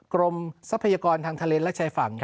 ทรัพยากรทางทะเลและชายฝั่ง